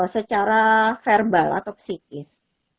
secara verbal atau psikis